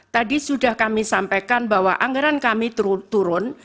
tadi sudah kami sampaikan bahwa anggaran kami turun